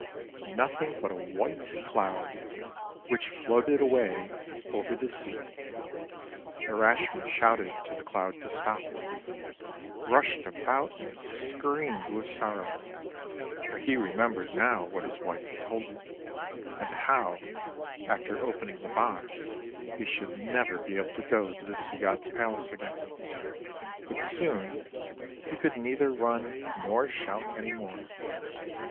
Nothing but a white cloud which floated away over the sea! Urashima shouted to the cloud to stop, rushed about and screamed with sorrow; for he remembered now what his wife had told him, and how, after opening the box, he should never be able to go to the Sea God's palace again. But soon he could neither run nor shout any more.